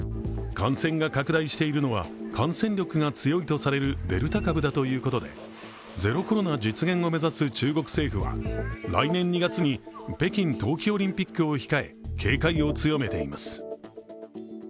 感染が拡大しているのは感染力が強いとされるデルタ株だということでゼロコロナ実現を目指す中国政府は来年２月に北京冬季オリンピックを控え警戒を強めています。